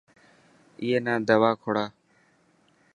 اي نا دوا کوڙا.